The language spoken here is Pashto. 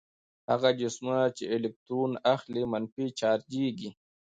هغه جسمونه چې الکترون اخلي منفي چارجیږي.